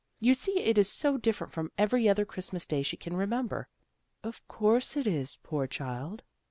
You see it is so different from every other Christmas Day she can remember." " Of course it is, poor child."